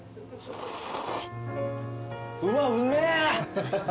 うわうめえ！